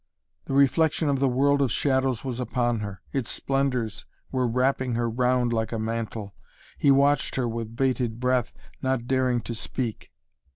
The reflection of the world of shadows was upon her; its splendors were wrapping her round like a mantle. He watched her with bated breath, not daring to speak.